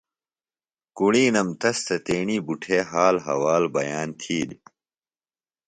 کُڑِینم تس تھےۡ تیݨی بٹھے حال حوال بیان تِھیلیۡ